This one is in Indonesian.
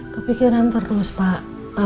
kepikiran terus pak